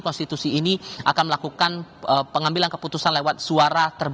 konstitusi ini akan melakukan pengambilan keputusan lewat suara terbuka